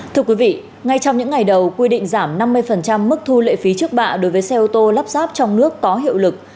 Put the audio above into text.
thưa quý vị ngay trong những ngày đầu quy định giảm năm mươi mức thu lệ phí trước bạ đối với xe ô tô lắp ráp trong nước có hiệu lực